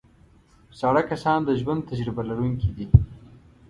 زاړه کسان د ژوند تجربه لرونکي دي